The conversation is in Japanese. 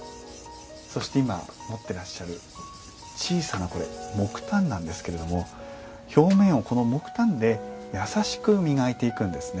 そして今持ってらっしゃる小さなこれ木炭なんですけれども表面をこの木炭で優しく磨いていくんですね。